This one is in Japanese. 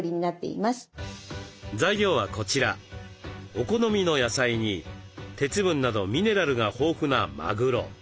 お好みの野菜に鉄分などミネラルが豊富なまぐろ。